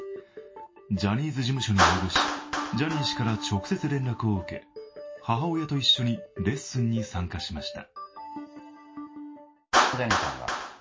ジャニーズ事務所に応募しジャニー氏から直接連絡を受け母親と一緒にレッスンに参加しました。